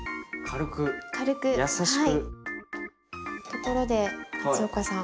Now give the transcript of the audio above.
ところで松岡さん。